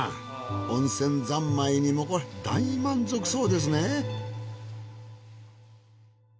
温泉三昧に大満足そうですね。